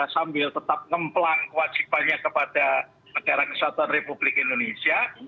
sambil tetap ngeplang kewajibannya kepada negara kesatuan republik indonesia